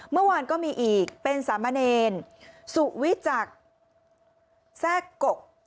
เมื่อวานก็มีอีกเป็นสามเณรสุวิจักรแทรกก